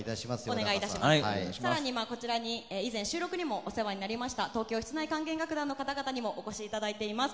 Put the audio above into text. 更に、こちらに以前収録でもお世話になりました東京室内管弦楽団の方々にもお越しいただいています。